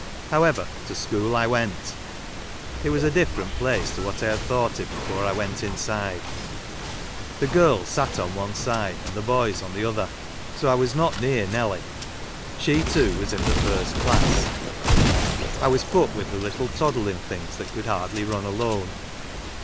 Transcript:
However, to school I went. It was a different place to what I had thought it before I went inside. The girls sat on one side and the boys on the other ; so I was not near Nelly. She too was in the first class ; I was put with the little toddling things that could hardly run alone.